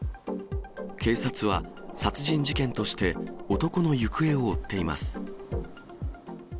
警察は、殺人事件として、男の行方を追っています。